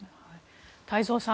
太蔵さん